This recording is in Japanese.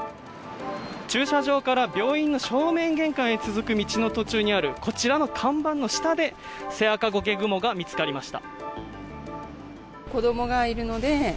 駐車場から病院の正面玄関に続く道の途中にあるこちらの看板の下でセアカゴケグモが見つかりました。